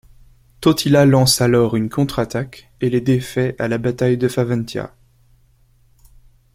Totila lance alors une contre-attaque et les défait à la bataille de Faventia.